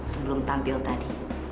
sebelum tampil tadi